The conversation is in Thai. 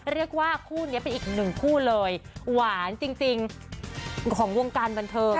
เรียกว่าคู่นี้เป็นอีกหนึ่งคู่เลยหวานจริงของวงการบันเทิง